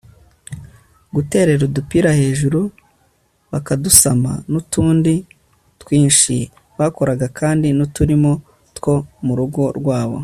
guterera udupira hejuru bakadusama n'utundi twinshi. bakoraga kandi n'uturimo two mu rugo rwabo